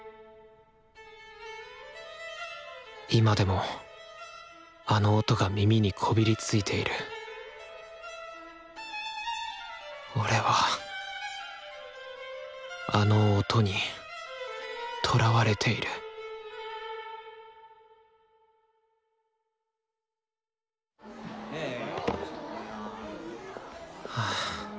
今でもあの音が耳にこびりついている俺はあの「音」にとらわれているはぁ